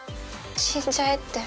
死んじゃえって。